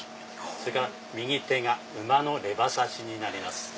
それから右手が馬のレバ刺しになります。